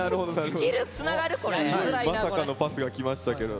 まさかのパスがきましたけど。